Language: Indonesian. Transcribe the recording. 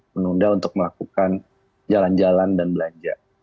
menunda untuk melakukan jalan jalan dan belanja